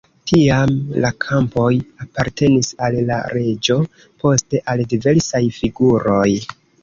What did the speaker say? Tiam la kampoj apartenis al la reĝo, poste al diversaj figuroj.